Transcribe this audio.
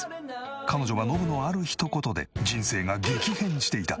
彼女はノブのある一言で人生が激変していた。